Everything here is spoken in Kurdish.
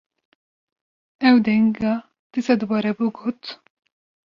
ew denga dîsa dubare bû, got: